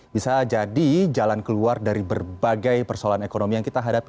bisa jadi jalan keluar dari berbagai persoalan ekonomi yang kita hadapi